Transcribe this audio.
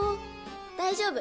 大丈夫。